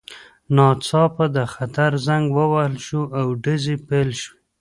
ناڅاپه د خطر زنګ ووهل شو او ډزې پیل شوې